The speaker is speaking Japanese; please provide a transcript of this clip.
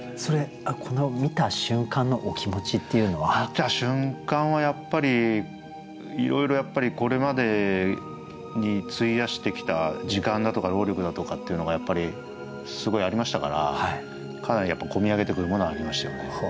見た瞬間はやっぱりいろいろやっぱりこれまでに費やしてきた時間だとか労力だとかっていうのがすごいありましたからかなり込み上げてくるものはありましたよね。